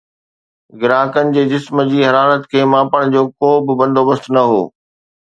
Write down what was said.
گراهڪن جي جسم جي حرارت کي ماپڻ جو ڪو به بندوبست نه هو